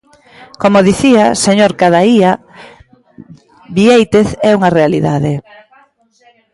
Como dicía, señor Cadaía, Biéitez é unha realidade.